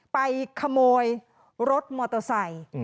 ไปขโมยรถมอเตอร์ไซค์